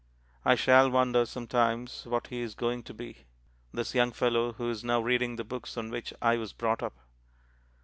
I shall wonder sometimes what he is going to be, this young fellow who is now reading the books on which I was brought up.